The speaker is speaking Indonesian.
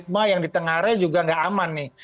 banyak negara yang di tengah area juga nggak aman nih